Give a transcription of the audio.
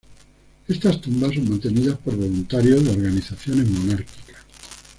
Estas tumbas son mantenidas por voluntarios de organizaciones monárquicas.